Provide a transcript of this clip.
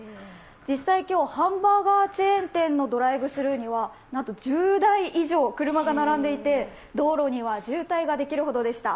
実際、今日、ハンバーガーチェーン店のドライブスルーにはなんと１０台以上、車が並んでいて道路には渋滞ができるほどでした。